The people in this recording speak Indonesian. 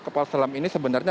kapal selam ini sebenarnya